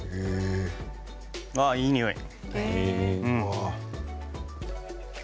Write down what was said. ああ、いいにおい。